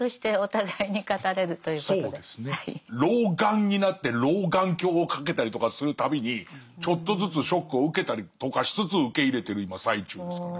老眼になって老眼鏡をかけたりとかするたびにちょっとずつショックを受けたりとかしつつ受け入れてる今最中ですかね。